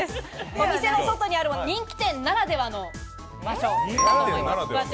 お店の外にあるもの、人気店ならではの場所だと思います。